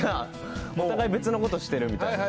お互い別のことしてるみたいな。